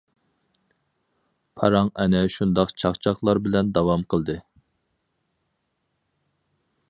پاراڭ ئەنە شۇنداق چاقچاقلار بىلەن داۋام قىلدى.